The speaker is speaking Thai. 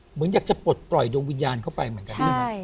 เหมือนอยากจะปลดปล่อยดวงวิญญาณเข้าไปเหมือนกันใช่ไหม